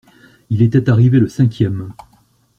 Il était arrivé le cinquième.